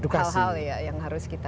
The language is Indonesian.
hal hal ya yang harus kita